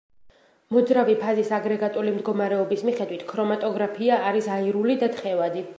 მოძრავი ფაზის აგრეგატული მდგომარეობის მიხედვით ქრომატოგრაფია არის აირული და თხევადი.